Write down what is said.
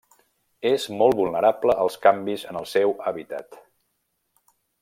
És molt vulnerable als canvis en el seu hàbitat.